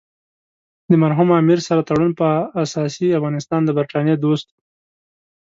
د مرحوم امیر سره تړون په اساس افغانستان د برټانیې دوست وو.